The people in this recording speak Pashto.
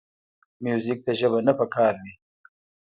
موزیک ته ژبه نه پکار وي.